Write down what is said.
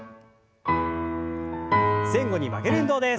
前後に曲げる運動です。